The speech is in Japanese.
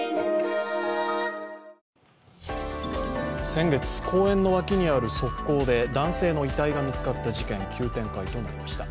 先月、公園の脇にある側溝で男性の遺体が見つかった事件、急展開となりました。